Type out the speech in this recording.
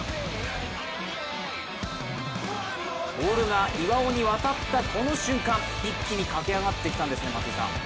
ボールが岩尾に渡ったこの瞬間、一気に駆け上がってきたんですね松井さん。